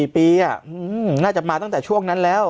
๔ปีน่าจะมาตั้งแต่ช่วงนั้นแล้ว